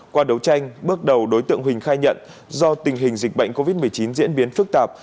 qua đấu tranh bước đầu đối tượng huỳnh khai nhận do tình hình dịch bệnh covid một mươi chín diễn biến phức tạp